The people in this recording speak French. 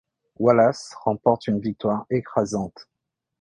Wallace remporte une victoire écrasante.